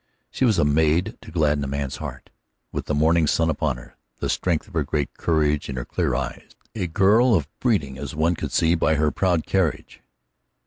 She was a maid to gladden a man's heart, with the morning sun upon her, the strength of her great courage in her clear eyes; a girl of breeding, as one could see by her proud carriage.